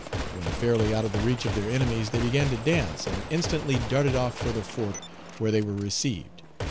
When fairly out of the reach of their enemies, they began to dance, and instantly darted off for the fort, where they were received.